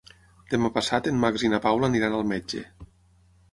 Demà passat en Max i na Paula aniran al metge.